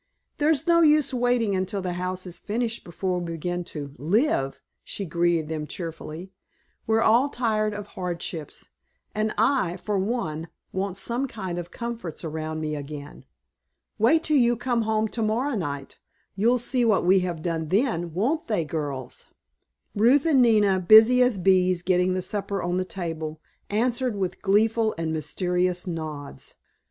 "There's no use waiting until the house is finished before we begin to live," she greeted them cheerily; "we're all tired of hardships, and I, for one, want some kind of comforts around me again. Wait till you come home to morrow night, you'll see what we have done then, won't they, girls?" Ruth and Nina, busy as bees getting the supper on the table, answered with gleeful and mysterious nods.